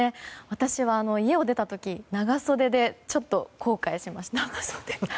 私は家を出た時、長袖でちょっと後悔しました。